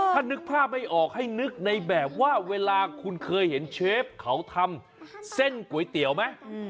ถ้านึกภาพไม่ออกให้นึกในแบบว่าเวลาคุณเคยเห็นเชฟเขาทำเส้นก๋วยเตี๋ยวไหม